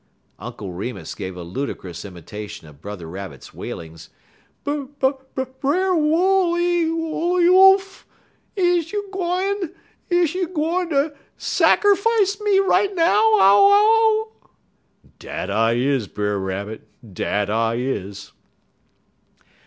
Uncle Remus gave a ludicrous imitation of Brother Rabbit's wailings. "'Ber ber Brer Wooly ooly oolf! Is you gwine is you gwine ter sakerfice t me right now ow ow?' "'Dat I is, Brer Rabbit; dat I is.'